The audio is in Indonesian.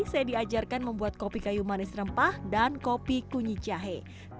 saya diajarkan membuat kopi kayu manis rempah dan kopi kunyit jahe